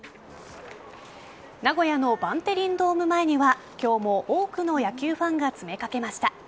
名古屋のバンテリンドーム前には今日も多くの野球ファンが詰めかけました。